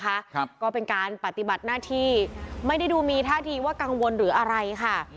ครับก็เป็นการปฏิบัติหน้าที่ไม่ได้ดูมีท่าทีว่ากังวลหรืออะไรค่ะ